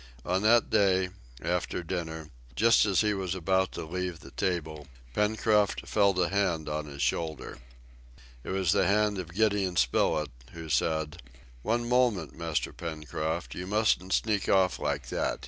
On that day, after dinner, just as he was about to leave the table, Pencroft felt a hand on his shoulder. It was the hand of Gideon Spilett, who said, "One moment, Master Pencroft, you mustn't sneak off like that!